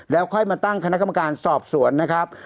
แล้วค่อยมาตั้งคณะกรรมการสอบสวนนะครับ